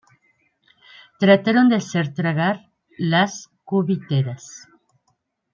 trataron de hacer tragar las cubiteras